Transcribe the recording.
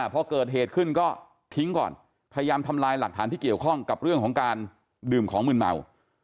พอเกิดเหตุขึ้นก็ทิ้งก่อนพยายามทำลายหลักฐานที่เกี่ยวข้องกับเรื่องของการดื่มของมืนเมา